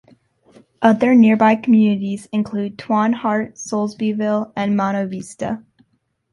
Other nearby communities include Twain Harte, Soulsbyville, and Mono Vista.